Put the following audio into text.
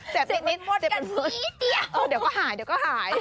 นิดเจ็บปวดเดี๋ยวก็หายเดี๋ยวก็หาย